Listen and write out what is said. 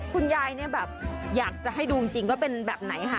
คุณยายเนี่ยแบบอยากจะให้ดูจริงว่าเป็นแบบไหนค่ะ